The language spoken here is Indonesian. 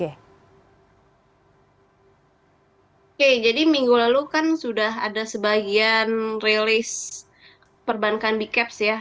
oke jadi minggu lalu kan sudah ada sebagian rilis perbankan b caps ya